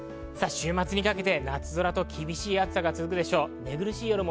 週末にかけて夏空と厳しい暑さが続くでしょう。